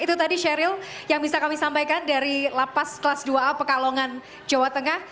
itu tadi sheryl yang bisa kami sampaikan dari lapas kelas dua a pekalongan jawa tengah